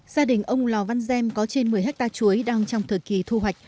gia đình ông lào văn gem có trên một mươi hectare chuối đang trong thời kỳ thu hoạch